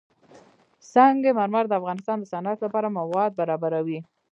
سنگ مرمر د افغانستان د صنعت لپاره مواد برابروي.